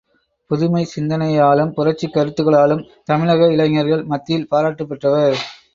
புதுமைச் சிந்தனையாலும், புரட்சிக் கருத்துக்களாலும் தமிழக இளைஞர்கள் மத்தியில் பாராட்டப் பெற்றவர்.